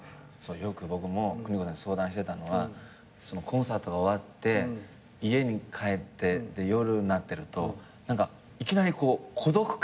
よく僕も邦子さんに相談してたのはコンサートが終わって家に帰って夜になってるといきなりこう孤独感。